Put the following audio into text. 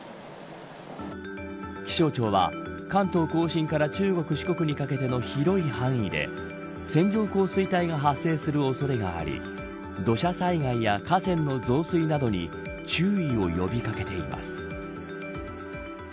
気象庁は、関東甲信から中国、四国にかけての広い範囲で、線状降水帯が発生する恐れがあり土砂災害や河川の増水などに注意を呼び掛けています。